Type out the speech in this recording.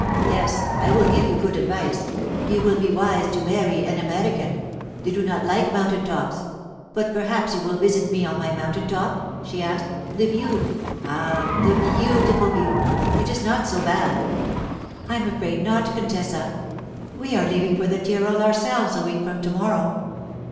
Yes, I will give you good advice: you will be wise to marry an American. They do not like mountain tops. But perhaps you will visit me on my mountain top?' she asked. 'The view—ah, the beautiful view! It is not so bad.' 'I'm afraid not, contessa. We are leaving for the Tyrol ourselves a week from to morrow.